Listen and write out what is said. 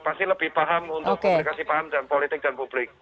pasti lebih paham untuk komunikasi paham dan politik dan publik